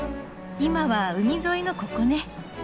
今は海沿いのここね。